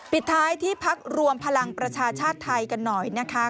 ปิดท้ายที่พักรวมพลังประชาชาติไทยกันหน่อยนะคะ